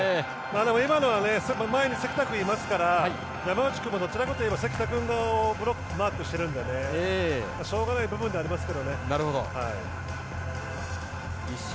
今のは前に関田君がいますから山内君もどちらかといえば関田君側をマークしてるのでしょうがない部分ではありますが。